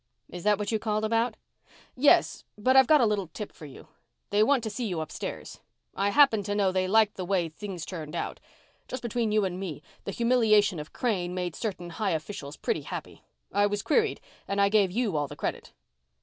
"Is that what you called about?" "Yes, but I've got a little tip for you. They want to see you upstairs. I happen to know they liked the way things turned out. Just between you and me, the humiliation of Crane made certain high officials pretty happy. I was queried and I gave you all the credit."